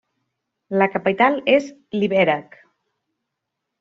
La capital és Liberec.